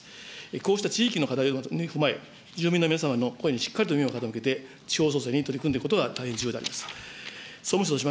こうした地域の課題を踏まえ、住民の皆様の声にしっかりと耳を傾けて地方創生に取り組んでいくことは大変重要であります。